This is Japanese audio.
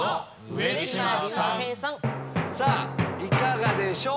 さぁいかがでしょう？